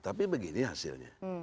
tapi begini hasilnya